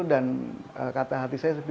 dan kata hati saya